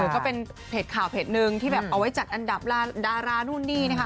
ก็เป็นเพจข่าวเพจหนึ่งที่แบบเอาไว้จัดอันดับดารานู่นนี่นะคะ